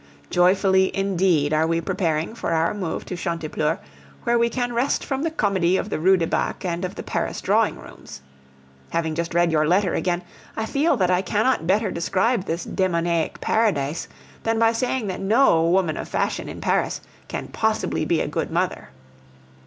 Joyfully indeed are we preparing for our move to Chantepleurs, where we can rest from the comedy of the Rue de Bac and of the Paris drawing rooms. Having just read your letter again, I feel that I cannot better describe this demoniac paradise than by saying that no woman of fashion in Paris can possibly be a good mother.